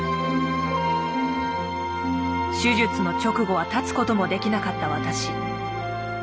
手術の直後は立つこともできなかった私。